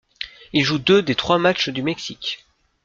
Il joue deux des trois matchs du Mexique.